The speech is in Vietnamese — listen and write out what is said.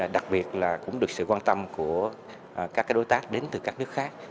đặc biệt là cũng được sự quan tâm của các đối tác đến từ các nước khác